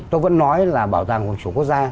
tôi vẫn nói là bảo tàng của chủ quốc gia